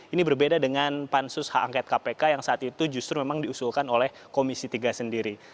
ini berbeda dengan pansus hak angket kpk yang saat itu justru memang diusulkan oleh komisi tiga sendiri